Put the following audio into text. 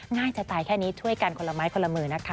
ง่ายจะตายแค่นี้ช่วยกันคนละไม้คนละมือนะคะ